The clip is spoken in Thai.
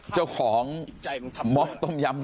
เจ้าของหม้อต้มยำ